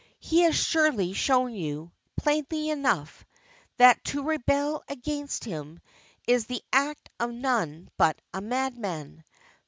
He has surely shown you, plainly enough, that to rebel against Him is the act of none but a madman.